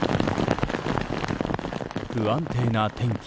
不安定な天気。